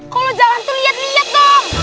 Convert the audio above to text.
kalau jalan tuh lihat lihat dong